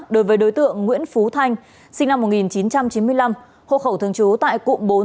đối với đối tượng nguyễn phú thanh sinh năm một nghìn chín trăm chín mươi năm hộ khẩu thường trú tại cụm bốn